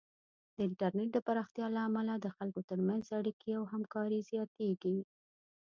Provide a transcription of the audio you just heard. د انټرنیټ د پراختیا له امله د خلکو ترمنځ اړیکې او همکاري زیاتېږي.